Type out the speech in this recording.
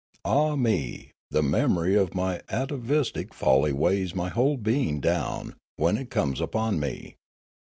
" Ah me! the memory of my atavistic folly weighs my whole being down, when it comes upon me.